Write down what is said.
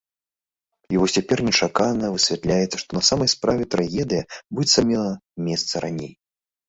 І вось цяпер нечакана высвятляецца, што на самай справе трагедыя, быццам, мела месца раней.